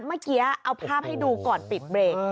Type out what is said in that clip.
เมื่อกี้เอาภาพให้ดูก่อนปิดเบรก